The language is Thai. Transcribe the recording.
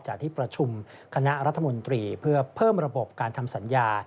ที่ประชุมคณะรัฐมนตรีเพื่อเพิ่มระบบการทำสัญญา